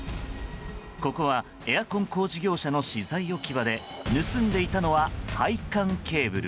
ここはエアコン工事業者の資材置き場で盗んでいたのは配管ケーブル。